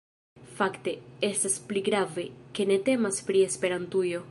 Fakte, estas pli grave, ke ne temas pri Esperantujo